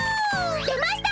出ました！